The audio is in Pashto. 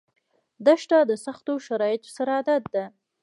دښته د سختو شرایطو سره عادت ده.